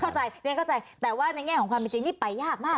เรียกเข้าใจแต่ว่าในแง่ของความจริงนี่ไปยากมากเลยนะ